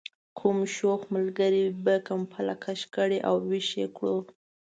کوم شوخ ملګري به کمپله کش کړې او ویښ یې کړو.